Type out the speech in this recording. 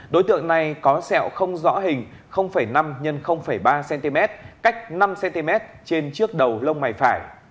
đối tượng này có sẹo không rõ hình năm x ba cm cách năm cm trên trước đầu lông mày phải